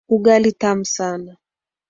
Ugali tamu sana.